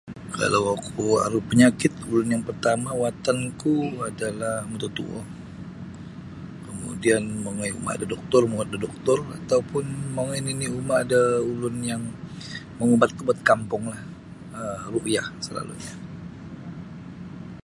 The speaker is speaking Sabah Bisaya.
Kalau oku aru panyakit ulun yang pertama watan ku adalah mototuo kemudian mongoi uma da doktor muwot da doktor ataupun mongoi nini uma da ulun yang mangubat-ubat kampunglah um ruqyah salalunya.